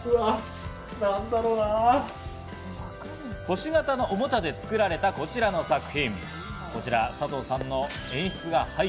星形のおもちゃで作られた、こちらの作品。